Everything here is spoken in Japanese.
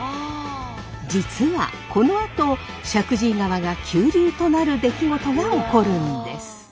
実はこのあと石神井川が急流となる出来事が起こるんです。